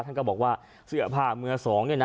ท่านก็บอกว่าเสื้อผ้าเมื่อสอง